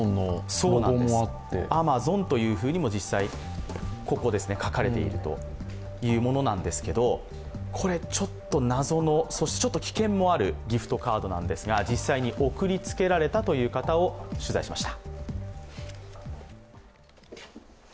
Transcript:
そうなんです、Ａｍａｚｏｎとも実際書かれているというものなんですけどこれちょっと謎の、ちょっと危険もあるギフトカードなんですが、実際に送りつけられたという方を取材しました。